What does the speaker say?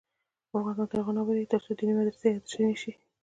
افغانستان تر هغو نه ابادیږي، ترڅو دیني مدرسې عصري نشي.